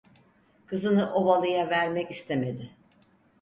Kızını ovalıya vermek istemedi.